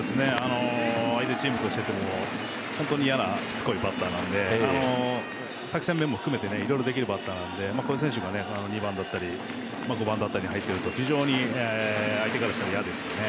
相手チームとしては嫌なしつこいバッターなので作戦面も含めていろいろできるバッターなのでこういう選手が２番だったり５番だったりに入ってると非常に相手からしたら嫌ですよね。